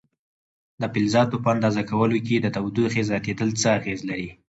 د فلزاتو په اندازه کولو کې د تودوخې زیاتېدل څه اغېزه لري؟